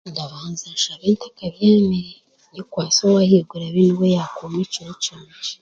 Ndabanza nsabe ntakabyamire, nyekwase owa ahaiguru abe niwe yaakuma ekiro kyangye